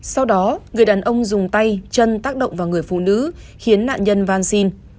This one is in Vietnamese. sau đó người đàn ông dùng tay chân tác động vào người phụ nữ khiến nạn nhân van xin